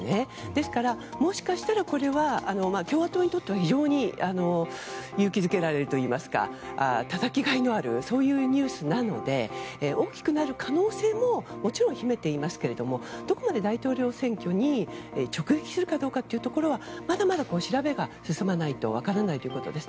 ですから、もしかしたらこれは共和党にとっては非常に勇気づけられるといいますかたたきがいのあるニュースなので大きくなる可能性ももちろん秘めていますけれどもどこまで大統領選挙に直撃するかどうかというのはまだまだ調べが進まないと分からないということです。